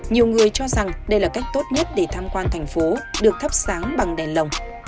nhiều người cho rằng đây là cách tốt nhất để tham quan thành phố được thắp sáng bằng đèn lồng